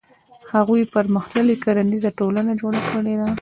هغوی پرمختللې کرنیزه ټولنه جوړه کړې ده.